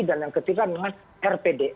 dan yang ketiga dengan rpd